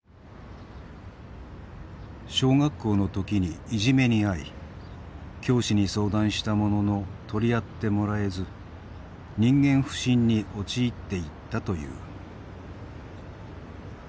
小学校の時にいじめに遭い教師に相談したものの取り合ってもらえず人間不信に陥っていったという。